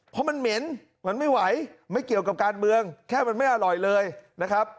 เพราะมันเหม็นมันไม่ไหวไม่เกี่ยวกับการเมืองแค่มันไม่อร่อยเลยนะครับ